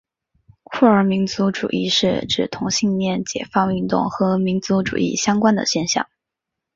酷儿民族主义是指同性恋解放运动和民族主义相关的现象。